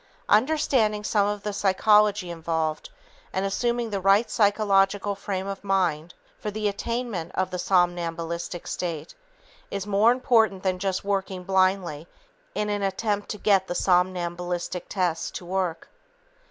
Understanding some of the psychology involved and assuming the right psychological frame of mind for the attainment of the somnambulistic state is more important than just working blindly in an attempt to get the somnambulistic tests to work.